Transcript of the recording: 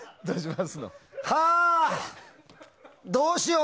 どうしよう。